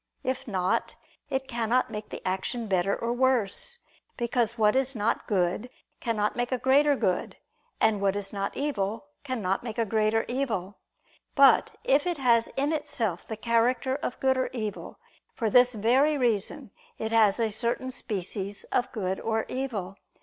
If not, it cannot make the action better or worse; because what is not good, cannot make a greater good; and what is not evil, cannot make a greater evil. But if it has in itself the character of good or evil, for this very reason it has a certain species of good or evil.